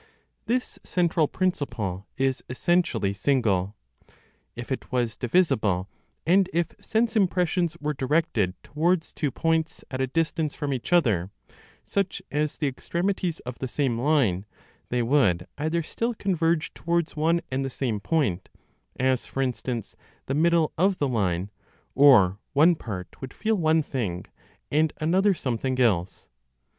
This central principle is essentially single. If it was divisible, and if sense impressions were directed towards two points at a distance from each other, such as the extremities of the same line, they would either still converge towards one and the same point, as, for instance, the middle (of the line), or one part would feel one thing, and another something else.